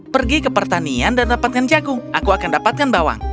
pergi ke pertanian dan dapatkan jagung aku akan dapatkan bawang